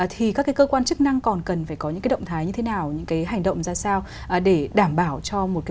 thì các cái cơ quan chức năng còn cần phải có những cái động thái như thế nào những cái hành động ra sao để đảm bảo cho một cái